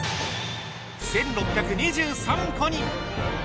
１６２３個に！